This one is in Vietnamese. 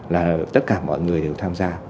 là tất cả mọi người đều tham gia